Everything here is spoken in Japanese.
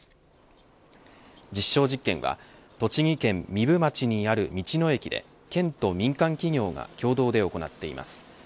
実証実験は栃木県壬生町にある道の駅で県と民間企業が共同で行っています。